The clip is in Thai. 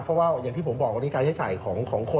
เพราะว่าอย่างที่ผมบอกวันนี้การใช้จ่ายของคน